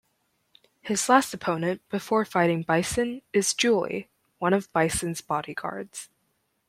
His last opponent before fighting Bison is Juli, one of Bison's bodyguards.